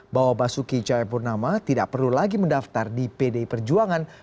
bahwa basuki cahayapurnama tidak perlu lagi mendaftar di pdi perjuangan